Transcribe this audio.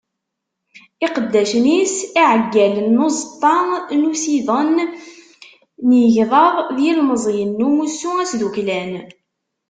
Iqeddacen-is, iɛeggalen n uẓeṭṭa n usiḍen n yigḍaḍ d yilemẓiyen n umussu asdukklan.